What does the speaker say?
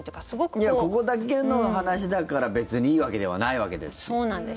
ここだけの話だから別にいいわけではないですし。